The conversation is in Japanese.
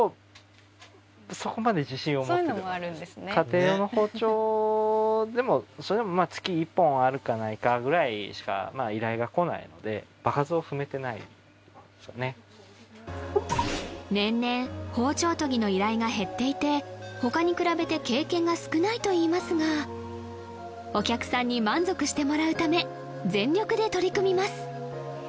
家庭用の包丁でもそれでも月１本あるかないかぐらいしか依頼が来ないので年々包丁研ぎの依頼が減っていて他に比べて経験が少ないといいますがお客さんに満足してもらうため全力で取り組みます